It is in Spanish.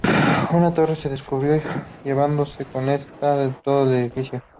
Una torre se derrumbó llevándose con ella todo el edificio.